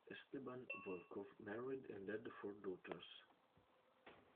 Esteban Volkov married and had four daughters.